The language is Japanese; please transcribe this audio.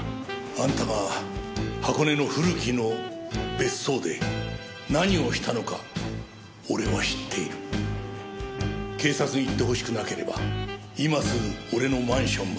「あんたが箱根の古木の別荘で何をしたのか俺は知っている」「警察に行ってほしくなければ今すぐ俺のマンションまで来い」とね。